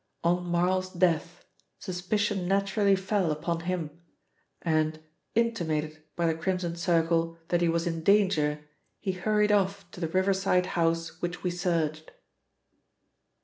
On Marl's death suspicion naturally fell upon him and, intimated by the Crimson Circle that he was in danger, he hurried off to the riverside house which we searched."